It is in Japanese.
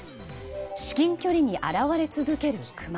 至近距離に現れ続けるクマ。